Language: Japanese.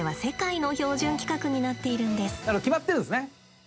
決まってるんですね。